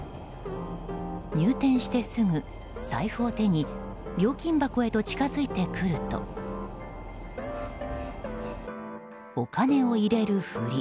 入店してすぐ、財布を手に料金箱へと近づいてくるとお金を入れるふり。